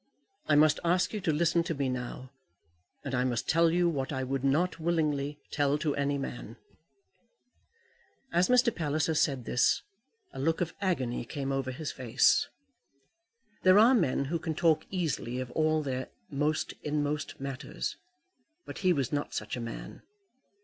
I must ask you to listen to me now, and I must tell you what I would not willingly tell to any man." As Mr. Palliser said this a look of agony came over his face. There are men who can talk easily of all their most inmost matters, but he was not such a man.